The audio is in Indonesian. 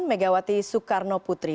megawati soekarno putri